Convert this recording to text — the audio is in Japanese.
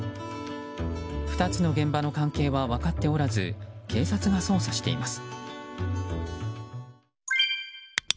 ２つの現場の関係は分かっておらず警察が捜査しています。